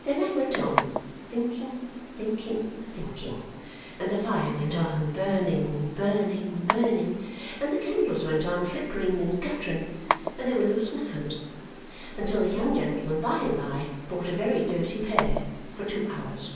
Then I went on, thinking, thinking, thinking; and the fire went on, burning, burning, burning; and the candles went on flickering and guttering, and there were no snuffers until the young gentleman by and by brought a very dirty pair for two hours.